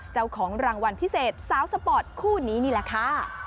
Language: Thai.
เจ้าของรางวัลพิเศษสาวสปอร์ตคู่นี้นี่แหละค่ะ